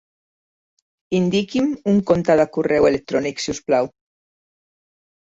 Indiqui'm un compte de correu electrònic si us plau.